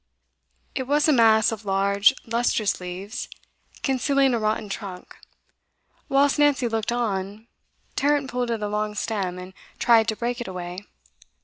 It was a mass of large, lustrous leaves, concealing a rotten trunk. Whilst Nancy looked on, Tarrant pulled at a long stem, and tried to break it away.